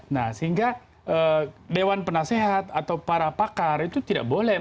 nah sehingga dewan penasehat atau para pakar itu tidak boleh